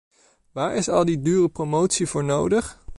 Waar is al die dure promotie voor nodig?